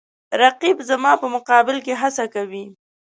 رقیب زما په مقابل کې هڅه کوي